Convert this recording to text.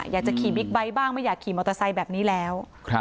อยากจะขี่บิ๊กไบท์บ้างไม่อยากขี่มอเตอร์ไซค์แบบนี้แล้ว